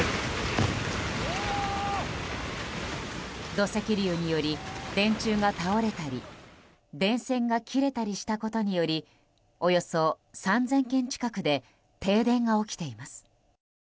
土石流により、電柱が倒れたり電線が切れたりしたことによりおよそ３０００軒近くで停電が起きています。